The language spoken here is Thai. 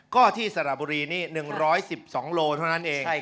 ก็ที่สระบุรีนี่๑๑๒โลเท่านั้นเอง